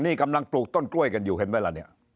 นี่กำลังปลูกต้นกล้วยกันอยู่เห็นไหมล่ะเนี่ย